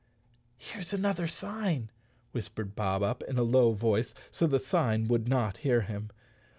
"Here's another sign," whispered Bob Up in a low voice so the sign would not hear him.